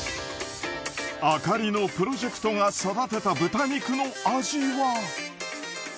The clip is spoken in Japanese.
あかりのプロジェクトが育てた豚肉の味は？